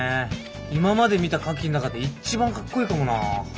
今まで見たカキん中で一番かっこいいかもな。